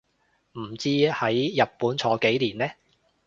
唔知喺日本坐幾年呢